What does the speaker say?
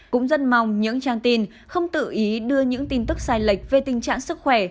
cũng rất mong những trang tin không tự ý đưa những tin tức sai lệch về tình trạng sức khỏe